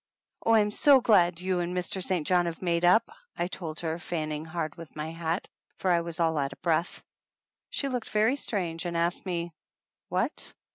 "Oh, I'm so glad you and Mr. St. John have made up !" I told her, fanning hard with my hat, for I was all out of breath. She looked very strange and asked me, "What?"